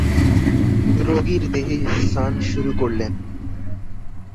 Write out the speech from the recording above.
রোগীর দেহে সান শুরু করলেন।